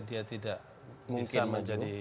dia tidak bisa menjadi